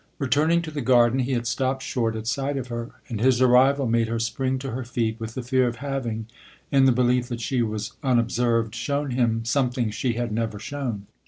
Returning to the garden, he had stopped short at sight of her, and his arrival made her spring to her feet with the fear of having, in the belief that she was unobserved, shown him something she had never shown.